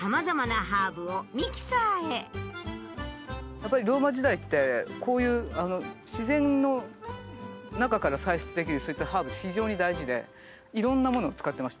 やっぱりローマ時代ってこういう自然の中から採取できるそういったハーブ非常に大事でいろんなものを使ってました。